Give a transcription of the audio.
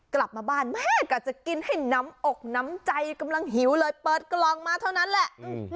กลับมาบ้านแม่ก็จะกินให้น้ำอกน้ำใจกำลังหิวเลยเปิดกล่องมาเท่านั้นแหละ